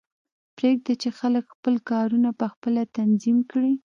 پریږده چې خلک خپل کارونه پخپله تنظیم کړي